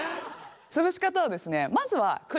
つぶし方はですね